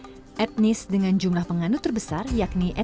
tetun merupakan agama afinis dengan jumlah penganut terbesar yakni etnis tetun